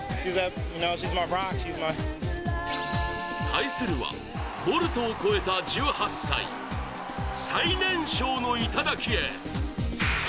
対するはボルトを超えた１８歳、最年少の頂へ。